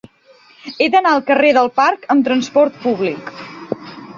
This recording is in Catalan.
He d'anar al carrer del Parc amb trasport públic.